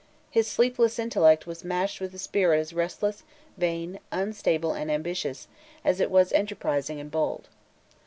His sleepless intellect was matched with a spirit as restless, vain, unstable, and ambitious, as it was enterprising and bold.